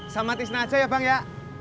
sama tisna aja ya bang ya